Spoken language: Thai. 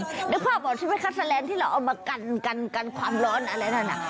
เหนือพ่อบอกว่าสันแรนที่เราเอามากันความร้อนอะไรนั่นน่ะ